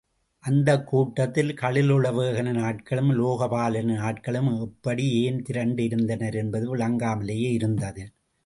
அந்தக் கூட்டத்தில் கலுழவேகனின் ஆட்களும், உலோக பாலனின் ஆட்களும் எப்படி ஏன் திரண்டு இருந்தனர் என்பது விளங்காமலேயே இருந்தது.